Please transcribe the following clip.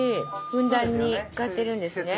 ふんだんに使ってるんですね。